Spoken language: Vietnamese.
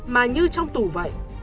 mà như trong tủ vậy